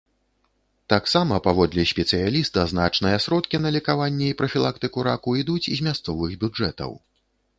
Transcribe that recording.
Таксама, паводле спецыяліста, значныя сродкі на лекаванне і прафілактыку раку ідуць з мясцовых бюджэтаў.